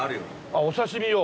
あっお刺し身用？